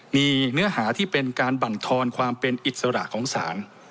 มีเนื้อหาที่เป็นการบรรทอนความเป็นอิสระของศาล